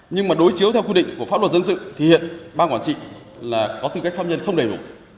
nhưng mà đối chiếu theo quy định của pháp luật dân sự thì hiện ban quản trị là có tư cách pháp nhân không đầy đủ